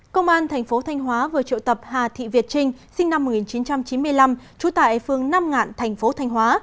công an tp thanh hóa vừa triệu tập hà thị việt trinh sinh năm một nghìn chín trăm chín mươi năm trú tại phương nam ngạn tp thanh hóa